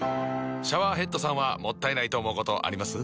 シャワーヘッドさんはもったいないと思うことあります？